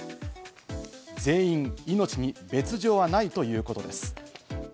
全員、命に別条はないということです。